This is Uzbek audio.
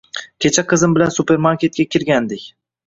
Kecha qizim bilan supermarketga kirgandik.